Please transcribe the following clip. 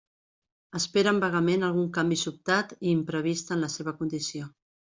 Esperen vagament algun canvi sobtat i imprevist en la seva condició.